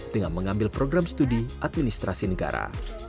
dengan mengambil program studi administrasi negara